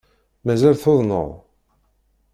Mazal tuḍneḍ?